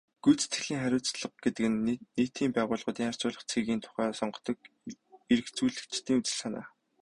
Гүйцэтгэлийн хариуцлага гэдэг нь нийтийн байгууллагуудын харьцуулах цэгийн тухай сонгодог эргэцүүлэгчдийн үзэл санаа.